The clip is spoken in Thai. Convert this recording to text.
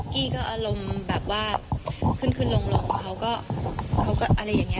กี้ก็อารมณ์แบบว่าขึ้นขึ้นลงเขาก็เขาก็อะไรอย่างนี้